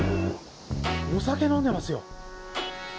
お酒飲んでますよ。